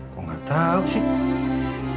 kok gak tau sih